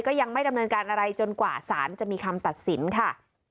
ก็ยังไม่ดำเนินการอะไรจนกว่าสารจะมีคำตัดสินค่ะ